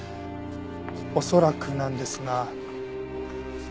恐らくなんですが。